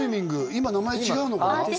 今名前違うのかな